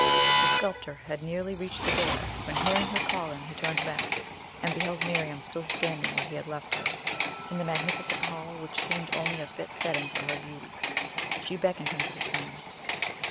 The sculptor had nearly reached the door, when, hearing her call him, he turned back, and beheld Miriam still standing where he had left her, in the magnificent hall which seemed only a fit setting for her beauty. She beckoned him to return.